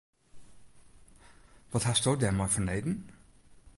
Wat hasto dêrmei fanneden?